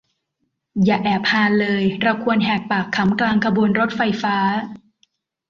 อย่าแอบฮาเลย เราควรแหกปากขำกลางขบวนรถไฟฟ้า